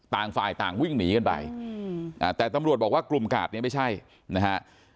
ต่างฝ่ายต่างวิ่งหนีกันไปแต่ตำรวจบอกว่ากลุ่มกาดเนี่ยไม่ใช่นะฮะ